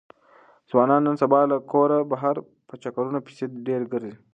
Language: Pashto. ځوانان نن سبا له کوره بهر په چکرونو پسې ډېر ګرځي.